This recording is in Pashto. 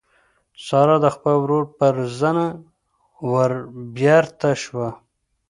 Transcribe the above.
سارا د خپل ورور پر زنه وربېرته شوه.